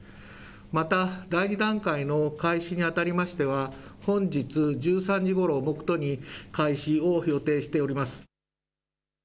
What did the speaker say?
また第２段階の開始にあたりましては本日１３時ごろを目途に開始を予定しております。